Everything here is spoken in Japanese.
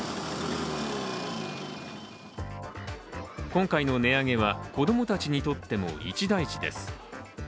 今回の値上げは、子供たちにとっても一大事です。